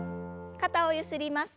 肩をゆすります。